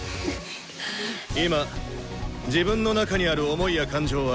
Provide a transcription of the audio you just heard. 今自分の中にある想いや感情は思う